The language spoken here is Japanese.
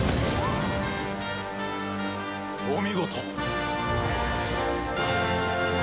お見事！